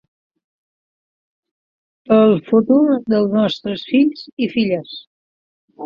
Pel futur dels nostres fills i filles.